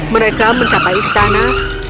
mereka mencapai istana